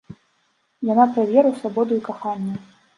Яна пра веру, свабоду і каханне.